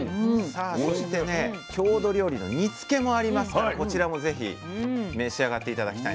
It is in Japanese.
さあそしてね郷土料理の煮つけもありますからこちらもぜひ召し上がって頂きたいなと。